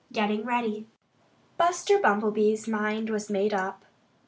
IV GETTING READY Buster Bumblemee's mind was made up.